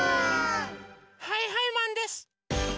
はいはいマンです！